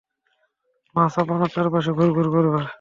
মাছ আপনার চারপাশে ঘুরঘুর করবে।